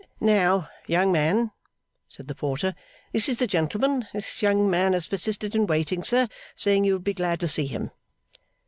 'Now, young man,' said the porter. 'This is the gentleman. This young man has persisted in waiting, sir, saying you would be glad to see him.